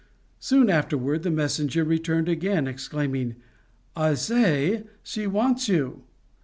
Soon afterward the messenger returned again, exclaiming, "I say, she wants you!"